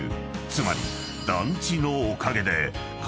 ［つまり団地のおかげで］